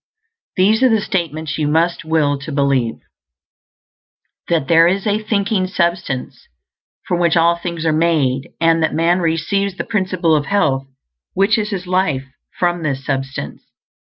These are the statements you must will to believe: _That there is a Thinking Substance from which all things are made, and that man receives the Principle of Health, which is his life, from this Substance.